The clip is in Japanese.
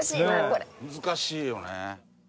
難しいよね。